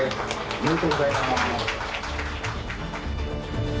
おめでとうございます！